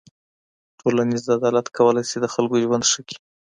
ټولنیز عدالت کولای سي د خلګو ژوند ښه کړي.